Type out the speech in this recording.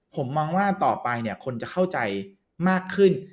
ผมมองว่าต่อไปเนี่ยคนจะเข้าใจมากขึ้น